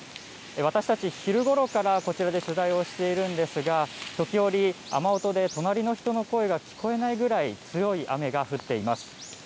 私たち、昼ごろからこちらで取材をしているんですが、時折、雨音で隣の人の声が聞こえないぐらい強い雨が降っています。